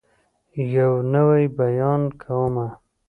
يو نوی بيان کومه